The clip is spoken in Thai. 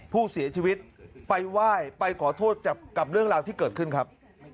ผู้เสียชีวิตไปไหว้ไปขอโทษกับเรื่องราวที่เกิดขึ้นครับ